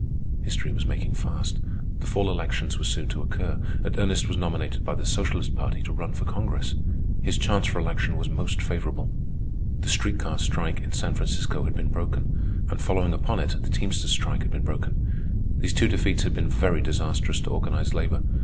History was making fast. The fall elections were soon to occur, and Ernest was nominated by the socialist party to run for Congress. His chance for election was most favorable. The street car strike in San Francisco had been broken. And following upon it the teamsters' strike had been broken. These two defeats had been very disastrous to organized labor.